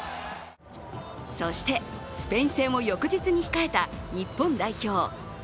そして、スペイン戦を翌日に控えた日本代表。